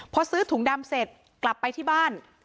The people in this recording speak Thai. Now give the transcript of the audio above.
พอซื้อถุงดำเสร็จกลับไปที่บ้าน